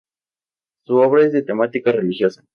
Su obra es de temática religiosa.